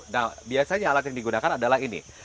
nah biasanya alat yang digunakan adalah ini